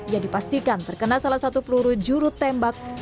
ia dipastikan terkena salah satu peluru jurutembak yang menyebabkan penyakit